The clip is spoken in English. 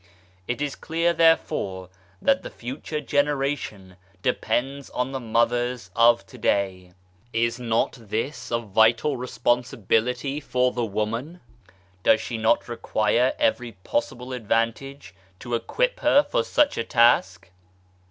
It is clear therefore that the future generation depends on the Mothers of to day. Is not this a vital responsibility for the woman ? Does she not require every possible advantage to equip her for such a task